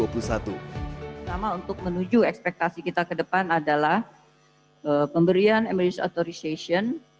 pertama untuk menuju ekspektasi kita ke depan adalah pemberian emergency use of authorization